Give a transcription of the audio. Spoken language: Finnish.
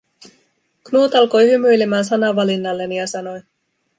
Knut alkoi hymyilemään sanavalinnalleni ja sanoi: